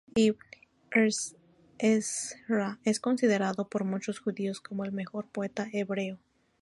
Ibn Ezra es considerado por muchos judíos como el mejor poeta hebreo.